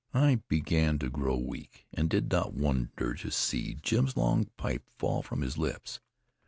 I began to grow weak, and did not wonder to see Jim's long pipe fall from his lips.